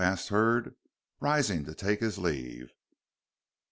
asked Hurd, rising to take his leave.